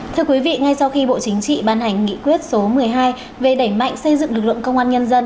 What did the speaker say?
thưa quý vị ngay sau khi bộ chính trị ban hành nghị quyết số một mươi hai về đẩy mạnh xây dựng lực lượng công an nhân dân